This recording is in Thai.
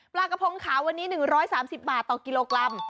ปลากระพงขาววันนี้๑๓๐บาทต่อกิโลกรัม